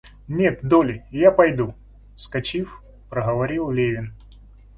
Нет, Долли, я пойду, — вскочив, проговорил Левин.